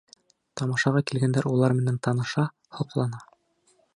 Тамашаға килгәндәр улар менән таныша, һоҡлана.